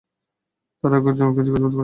ওরা একজনকে জিজ্ঞাসাবাদ করছে।